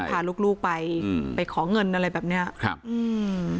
พาลูกลูกไปอืมไปขอเงินอะไรแบบเนี้ยครับอืม